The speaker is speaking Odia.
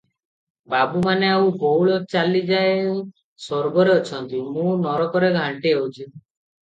ବାବୁମାନେ ଆଉ ବଉଳ ଚାଲି ଯାଇ ସ୍ୱର୍ଗରେ ଅଛନ୍ତି, ମୁଁ ନରକରେ ଘାଣ୍ଟି ହେଉଛି ।